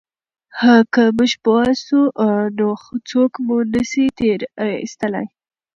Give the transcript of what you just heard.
که موږ پوه سو نو څوک مو نه سي تېر ایستلای.